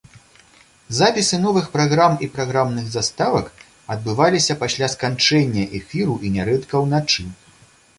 Запісы новых праграм і праграмных заставак адбываліся пасля сканчэння эфіру і нярэдка ўначы.